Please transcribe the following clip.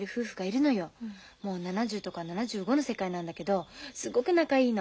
もう７０とか７５の世界なんだけどすごく仲いいの。